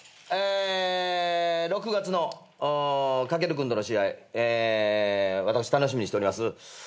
え６月のカけ尊君との試合え私楽しみにしております。